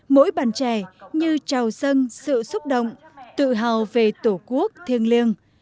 mỗi bạn trẻ như chào dâng sự xúc động tự hào về tổ quốc thiêng liêng